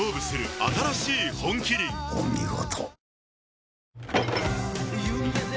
お見事。